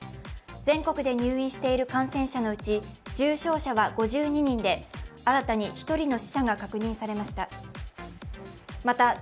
全国で入院している感染者のうち重症者は５２人で、新たに１人の死者が確認されました